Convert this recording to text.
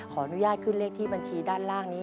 ขออนุญาตขึ้นเลขที่บัญชีด้านล่างนี้